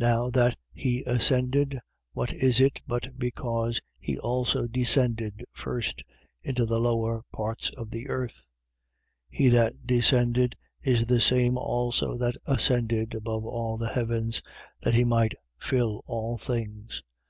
4:9. Now that he ascended, what is it, but because he also descended first into the lower parts of the earth? 4:10. He that descended is the same also that ascended above all the heavens: that he might fill all things.